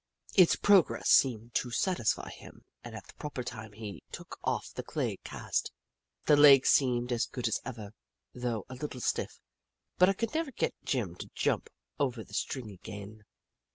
Its progress seemed to satisfy him and at the proper time he took off the clay cast. The leg seemed as good as ever, though a little stiff, but I could never get Jim to jump over the string again.